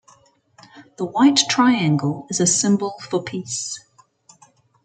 The white triangle is a symbol for peace.